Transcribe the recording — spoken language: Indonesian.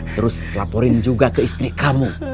terus laporin juga ke istri kamu